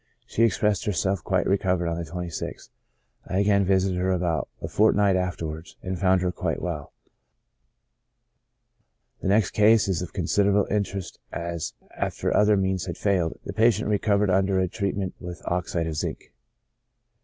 She expressed herself quite recovered on the 26th. I again vi sited her about a fortnight afterwards, and found her quite well. The next case is of considerable interest, as, after other means had failed, the patient recovered under a treatment with oxide of zinc.